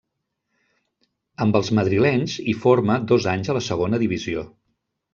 Amb els madrilenys hi forma dos anys a la Segona Divisió.